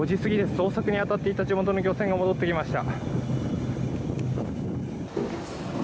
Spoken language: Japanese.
捜索に当たっていた地元の漁船が戻ってきました。